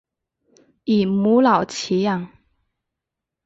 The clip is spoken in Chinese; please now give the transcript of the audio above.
以母老乞养。